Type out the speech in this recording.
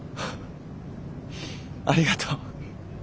フッありがとう。